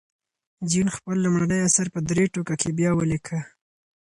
جین خپل لومړنی اثر په درې ټوکه کې بیا ولیکه.